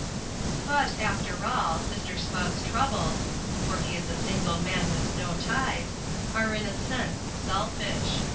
But, after all, Mr. Spugg's troubles for he is a single man with no ties are in a sense selfish.